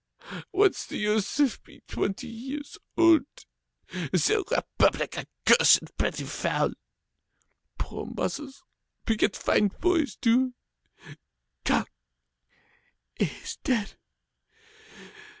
What's the use of being twenty years old? The Republic, a cursed pretty folly! Poor mothers, beget fine boys, do! Come, he is dead.